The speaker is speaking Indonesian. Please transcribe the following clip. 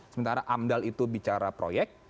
sementara amdal itu bicara proyek